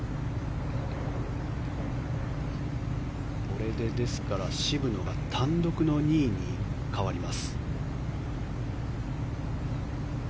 これで、ですから渋野が単独の２位に変わります。